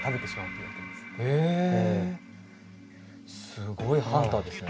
すごいハンターですね。